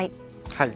はい。